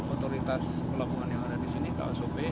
otoritas pelabuhan yang ada di sini ka sop